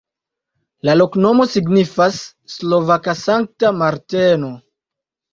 La loknomo signifas: slovaka-Sankta Marteno.